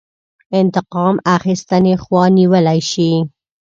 انتقام اخیستنې خوا نیولی شي.